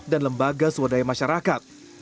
dan lembaga swadaya masyarakat